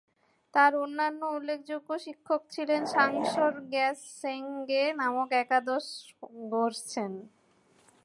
তার অন্যান্য উল্লেখযোগ্য শিক্ষক ছিলেন সাংস-র্গ্যাস-সেং-গে নামক একাদশ ঙ্গোর-ছেন।